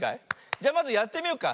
じゃまずやってみよっか。